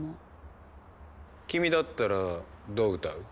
君だったらどう歌う？